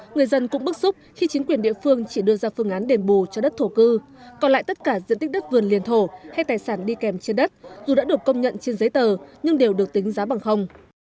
người dân cũng bức xúc khi chính quyền địa phương chỉ đưa ra phương án đền bù cho đất thổ cư còn lại tất cả diện tích đất vườn liền thổ hay tài sản đi kèm trên đất dù đã được công nhận trên giấy tờ nhưng đều được tính giá bằng không